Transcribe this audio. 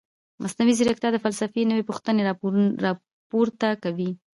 مصنوعي ځیرکتیا د فلسفې نوې پوښتنې راپورته کوي.